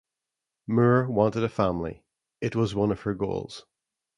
Moore wanted a family; it was one of her goals.